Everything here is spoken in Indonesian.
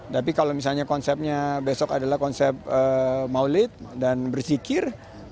tapi kalau misalnya konsepnya besok adalah konsep maulid dan bersikir